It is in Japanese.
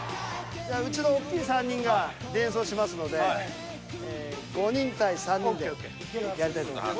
じゃうちのおっきい３人がディフェンスをしますので５人対３人でやりたいと思います。